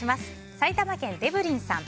埼玉県の方。